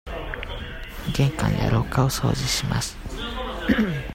玄関や廊下を掃除します。